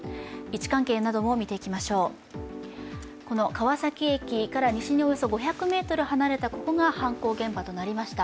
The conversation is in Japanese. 川崎駅から西に５００ｍ離れたところが現場となりました。